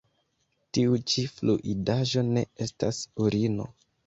Tiu ĉi fluidaĵo ne estas urino.